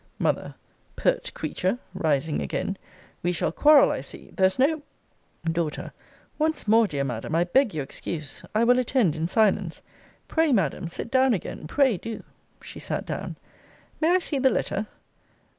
M. Pert creature! [rising again] We shall quarrel, I see! There's no D. Once more, dear Madam, I beg your excuse. I will attend in silence. Pray, Madam, sit down again pray do [she sat down.] May I see the letter?